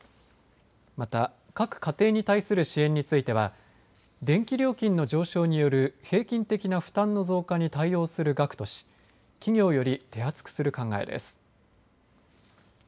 また、各家庭に対する支援については電気料金の上昇による平均的な負担の増加に対応する額とし企業より手厚くする考えです。